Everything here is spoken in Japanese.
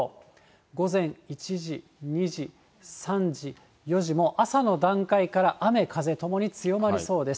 午前１時、２時、３時、４時も、朝の段階から雨、風ともに強まりそうです。